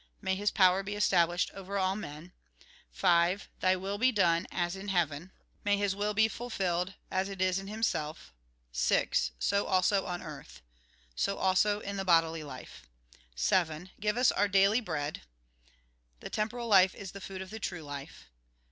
May His power be established over all men. 5. Thy will be done, as in May His will be fulfilled, as it heaven, is in Hiinself, 6. So also on earth. So also in tiie bodily life. 7. Give us our daily bread The temporal life is the food of the true life.